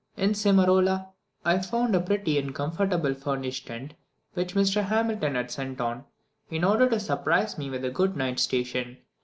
In Simarola, I found a pretty and comfortably furnished tent, which Mr. Hamilton had sent on, in order to surprise me with a good night station.